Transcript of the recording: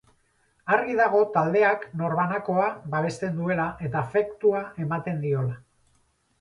Argi dago taldeak norbanakoa babesten duela eta afektua ematen diola.